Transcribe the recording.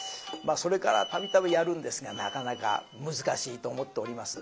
それから度々やるんですがなかなか難しいと思っております。